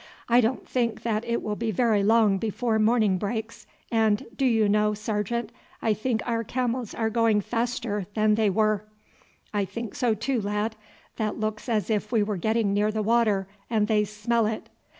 I don't think that it will be very long before morning breaks, and, do you know, sergeant, I think our camels are going faster than they were." "I think so too, lad. That looks as if we were getting near the water, and they smell it."